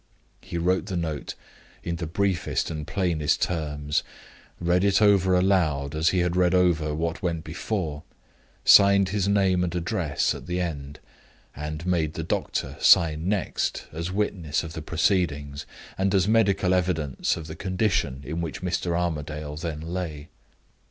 He wrote the note in the briefest and plainest terms, read it over aloud as he had read over what went before, signed his name and address at the end, and made the doctor sign next, as witness of the proceedings, and as medical evidence of the condition in which Mr. Armadale then lay.